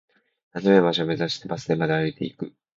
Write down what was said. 休める場所を目指して、バス停まで歩いていく